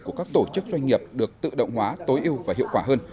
của các tổ chức doanh nghiệp được tự động hóa tối ưu và hiệu quả hơn